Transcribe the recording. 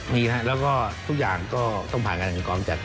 ดีนะครับแล้วก็ทุกอย่างก็ต้องผ่านการกองจัด